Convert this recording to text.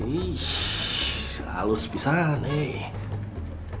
tidak ada yang bisa dihukum